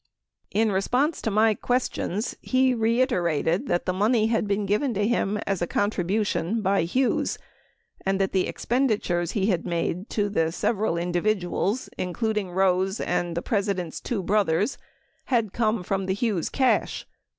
In response to my questions, he reiterated that the money had been given to him as a contribution by Hughes, and that the expenditures he had made to the several individuals including Rose and to the President's two brothers had come from the Hughes cash.